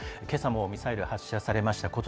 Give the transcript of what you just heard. けさもミサイル発射されました。